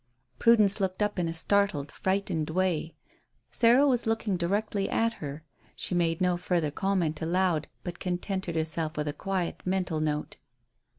Prudence looked up in a startled, frightened way. Sarah was looking directly at her. She made no further comment aloud, but contented herself with a quiet mental note.